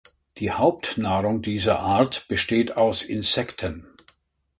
Die Hauptnahrung dieser Art besteht aus Insekten.